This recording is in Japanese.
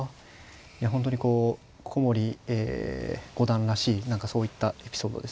いや本当にこう古森五段らしい何かそういったエピソードですね。